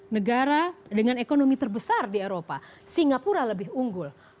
negara dengan ekonomi terbesar di eropa singapura lebih unggul